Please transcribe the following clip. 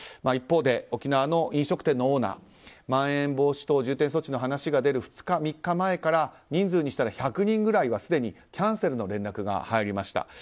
一方で沖縄の飲食店のオーナーまん延防止等重点措置の話が出る２日、３日前から人数にしたら１００人くらいはすでにキャンセルの連絡が入りました。